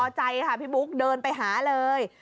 พอใจค่ะพี่บุ๊คเดินไปหาเลย